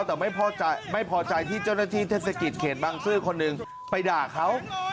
แต่ไม่พอใจที่เจ้าหน้าที่เทศกิจเขตบังซื้อคนหนึ่งไปด่าเขา